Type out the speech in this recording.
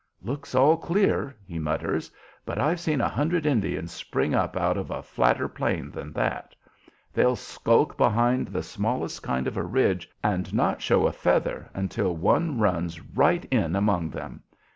"Looks all clear," he mutters, "but I've seen a hundred Indians spring up out of a flatter plain than that. They'll skulk behind the smallest kind of a ridge, and not show a feather until one runs right in among them.